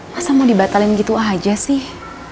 masa mau dibatalin gitu aja sih